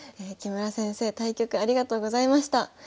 木村先生対局ありがとうございました。